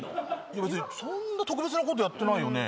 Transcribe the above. いやいや別にそんな特別なことやってないよね？